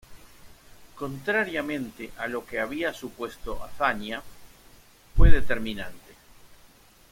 Contrariamente a lo que había supuesto Azaña, fue determinante.